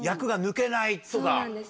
そうなんです。